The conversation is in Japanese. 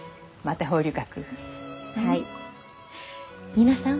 皆さん